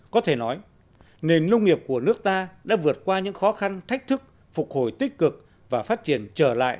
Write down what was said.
có thể nói nền nông nghiệp của nước ta đã vượt qua những khó khăn thách thức phục hồi tích cực và phát triển trở lại